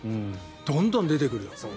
どんどん出てくるよ。